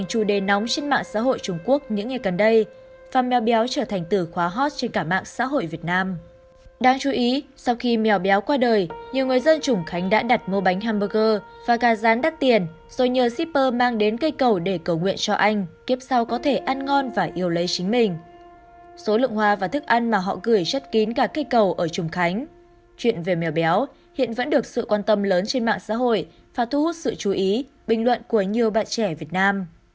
chuyện về mèo béo hiện vẫn được sự quan tâm lớn trên mạng xã hội và thu hút sự chú ý bình luận của nhiều bạn trẻ việt nam